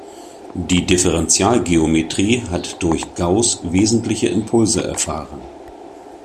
Die Differentialgeometrie hat durch Gauß wesentliche Impulse erfahren.